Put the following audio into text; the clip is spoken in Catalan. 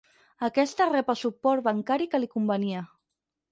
Aquesta rep el suport bancari que li convenia.